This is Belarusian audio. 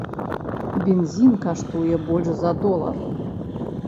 Бензін каштуе больш за долар!